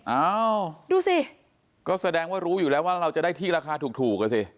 เอ้าดูสิก็แสดงว่ารู้อยู่แล้วว่าเราจะได้ที่ราคาถูกอ่ะสิ